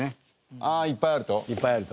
ああいっぱいあると？